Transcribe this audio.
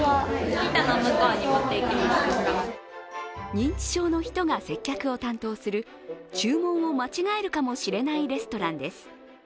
認知症の人が接客を担当する注文を間違えるかもしれないレストランです。